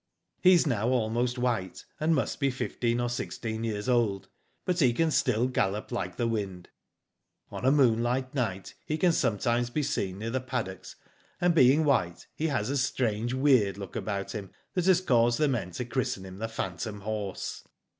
He is now almost white, and must be fifteen or sixteen years old, but he can still gallop like the wind. On a moonlight night he can sometimes be seen near the paddocks, and being white he has a strange weird look about him, that has caused the men to christen him the phantom horse.